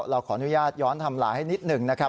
เราขออนุญาตย้อนทำลายให้นิดหนึ่งนะครับ